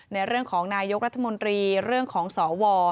ในเรื่องของนายกรัฐมนตรีเรื่องของสว